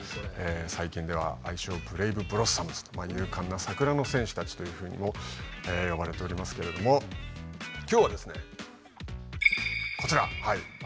最近では愛称ブレイブブロッサムズと勇敢な桜の戦士たちというふうにも呼ばれておりますけれども今日はですねこちらはい。